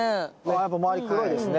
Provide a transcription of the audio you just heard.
やっぱまわり黒いですね。